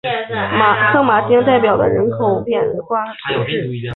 圣马丁代来人口变化图示